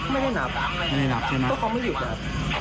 ไม่ได้นับไม่ได้นับใช่ไหมเพราะเขาไม่หยุดครับ